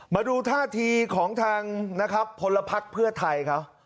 มาดูท่าทีของทางนะครับผลพลักษณ์เพื่อไทยครับ